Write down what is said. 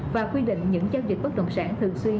và quy định những giao dịch bất đồng sản thường suy